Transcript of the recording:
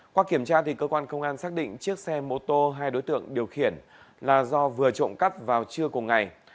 qua kiểm tra cơ quan công an xác định chiếc xe mô tô hai đối tượng điều khiển là do vừa trộm cắp vào trưa cùng ngày